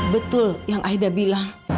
betul yang aida bilang